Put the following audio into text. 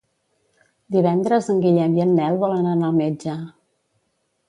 Divendres en Guillem i en Nel volen anar al metge.